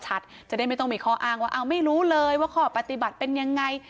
จะได้ไม่ต้องมีข้ออ้างว่าเอาไม่รู้เลยว่าข้อปฏิบัติเป็นยังไง